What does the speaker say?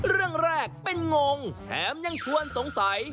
เรื่องแรกเป็นงงแถมยังควรสงสัย